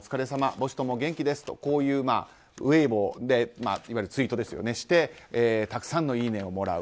母子共に元気ですとウェイボーいわゆるツイートをしてたくさんのいいねをもらう。